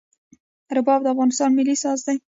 رباب د افغانستان ملي ساز دی.